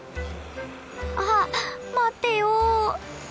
あっ待ってよ。